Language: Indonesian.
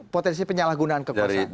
potensi penyalahgunaan kekuasaan